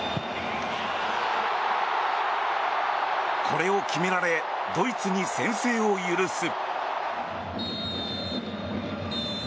これを決められドイツに先制を許す。